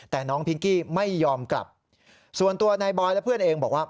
แต่น้องพิงกี้ไม่ยอมกลับส่วนตัวนายบอยและเพื่อนเองบอกว่า